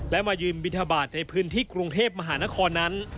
แล้วมายืมบินทบาทในพื้นที่กรุงเทพฯมหานคร